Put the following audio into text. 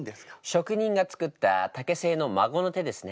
職人が作った竹製の孫の手ですね。